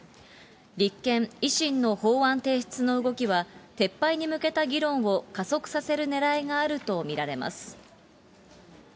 立憲、維新の法案提出の動きは、撤廃に向けた議論を加速させるねらいがあると見られます。